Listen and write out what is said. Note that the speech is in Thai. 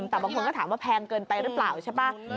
แต่บางคนก็ถามว่าแพงเกินไปหรือเปล่าใช่ป่ะ